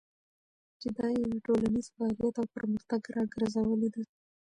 چې دا يې له ټولنيز فعاليت او پرمختګه راګرځولې ده.